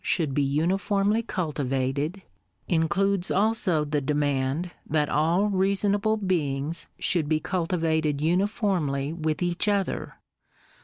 should be uniformly cultivated, includes also the demand that all reasonable beings should ho cultivated uniformly with each other.